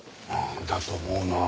だと思うなあ。